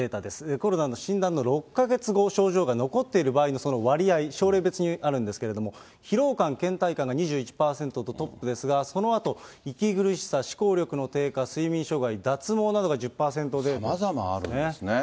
コロナの診断の６か月後、症状が残っている場合のその割合、症例別にあるんですけど、疲労感、けん怠感が２１％とトップですが、そのあと息苦しさ、思考力の低下、睡眠障害、さまざまあるんですね。